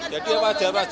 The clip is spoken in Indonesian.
jadi apa saja apa saja